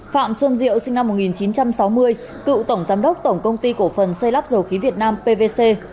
phạm xuân diệu sinh năm một nghìn chín trăm sáu mươi cựu tổng giám đốc tổng công ty cổ phần xây lắp dầu khí việt nam pvc